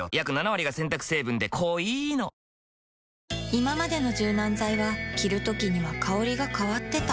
いままでの柔軟剤は着るときには香りが変わってた